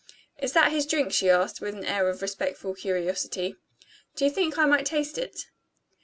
"Is that his drink?" she asked, with an air of respectful curiosity. "Do you think I might taste it?"